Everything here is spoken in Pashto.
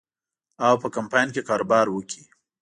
او په کمپاین کې کاروبار وکړي.